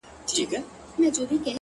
که دې د سترگو له سکروټو نه فناه واخلمه ـ